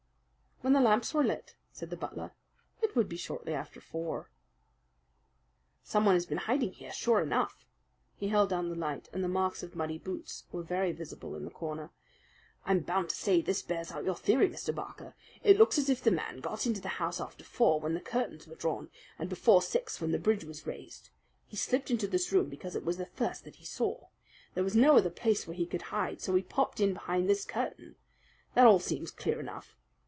"When the lamps were lit," said the butler. "It would be shortly after four." "Someone had been hiding here, sure enough." He held down the light, and the marks of muddy boots were very visible in the corner. "I'm bound to say this bears out your theory, Mr. Barker. It looks as if the man got into the house after four when the curtains were drawn, and before six when the bridge was raised. He slipped into this room, because it was the first that he saw. There was no other place where he could hide, so he popped in behind this curtain. That all seems clear enough.